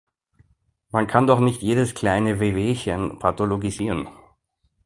Man kann doch nicht jedes kleine Wehwehchen pathologisieren!